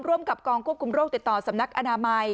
ร่วมกับกองควบคุมโรคติดต่อสำนักอนามัย